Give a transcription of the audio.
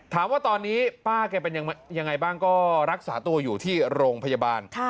ถามว่าตอนนี้ป้าแกเป็นยังไงบ้างก็รักษาตัวอยู่ที่โรงพยาบาล